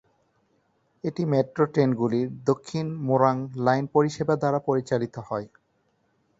এটি মেট্রো ট্রেনগুলির দক্ষিণ মোরাং লাইন পরিষেবা দ্বারা পরিচালিত হয়।